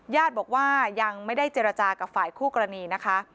ญาติบอกว่ายังไม่ได้เจรจากับฝ่ายคู่กรณีนะคะ